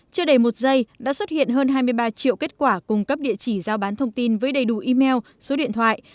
chưa đầy một giây đã xuất hiện hơn hai mươi ba triệu kết quả cung cấp địa chỉ giao bán thông tin với đầy đủ email số điện thoại